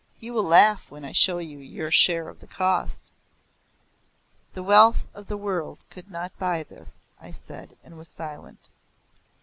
You will laugh when I show you your share of the cost." "The wealth of the world could not buy this," I said, and was silent.